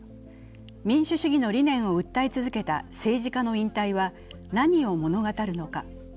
民主主義の理念を訴え続けた政治家の引退は何を物語るのか。